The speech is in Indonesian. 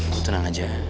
kau tenang aja